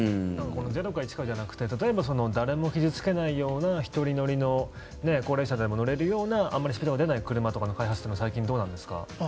０か１かじゃなくて例えば誰も傷付けないような１人乗りの高齢者でも乗れるようなあまりスピードが出ない車の開発とかどうなんですか？